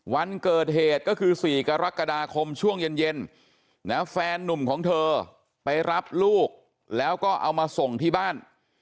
วันเกิดเหตุก็คือ๔กรกฎาคมช่วงเย็นนะแฟนนุ่มของเธอไปรับลูกแล้วก็เอามาส่งที่บ้าน